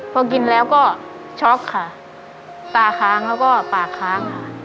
พอกินแล้วก็ช็อกค่ะตาค้างแล้วก็ปากค้างค่ะ